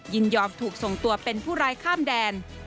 ยินยอมถูกส่งตัวเป็นผู้ร้ายข้ามแดน